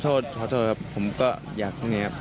ขอโทษขอโทษครับผมก็อยากอย่างนี้ครับ